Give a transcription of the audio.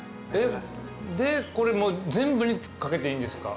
でこれもう全部に掛けていいんですか？